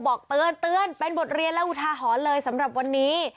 บอกเตือนเป็นบทเรียนและอุทาหรณ์เลยสำหรับวันนี้